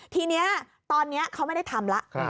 ทีนี้ตอนนี้เขาไม่ได้ทำแล้ว